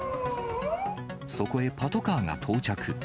そこへパトカーが到着。